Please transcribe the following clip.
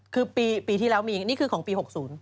คือปีที่แล้วมีนี่คือของปี๖๐